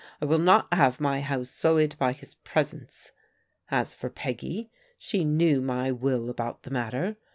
I will not have my house sullied by his pres ence. As for Peggy, she knew my will about the matter.